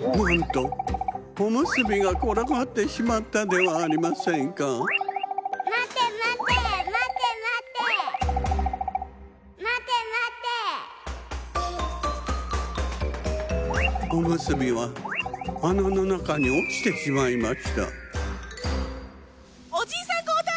なんとおむすびがころがってしまったではありませんかおむすびはあなのなかにおちてしまいましたおじいさんこうたい！